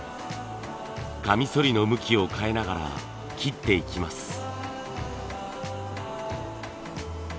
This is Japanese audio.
カミソリの向きを変えながら切っていきます。